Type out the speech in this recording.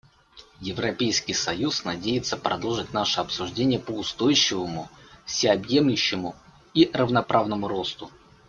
Европейский союз надеется продолжить наши обсуждения по устойчивому, всеобъемлющему и равноправному росту.